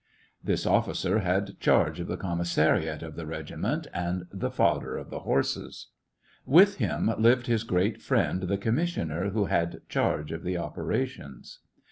This officer had charge of the commissariat of the regiment and the fodder of the horses. With him lived his great friend, the commissioner who had charge of the operations.